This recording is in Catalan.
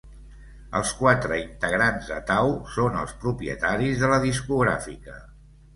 Els quatres integrants de Thau són els propietaris de la discogràfica.